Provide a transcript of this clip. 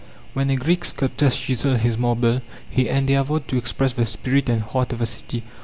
When a Greek sculptor chiseled his marble he endeavored to express the spirit and heart of the city.